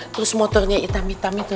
terus motornya hitam hitam itu